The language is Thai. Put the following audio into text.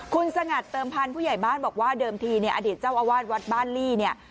คุณสงัดเติมพันธ์ผู้ใหญ่บ้านบอกว่าเดิมทีเนี่ยอดีตเจ้าอาวาสวัดบ้านลี่เนี่ย